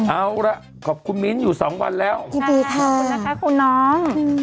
เอาละขอบคุณมิ้นทร์อยู่๒วันแล้วพูดดีค่ะคุณน้อง